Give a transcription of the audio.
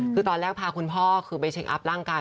คือตอนแรกพาคุณพ่อคือไปเช็คอัพร่างกาย